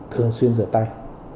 thường xuyên rửa tay